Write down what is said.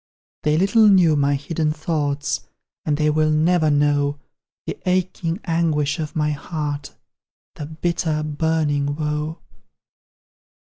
They little knew my hidden thoughts; And they will NEVER know The aching anguish of my heart, The bitter burning woe!